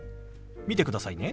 見てくださいね。